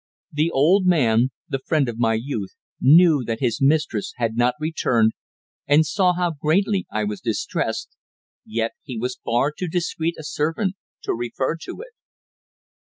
The old man, the friend of my youth, knew that his mistress had not returned, and saw how greatly I was distressed. Yet he was far too discreet a servant to refer to it.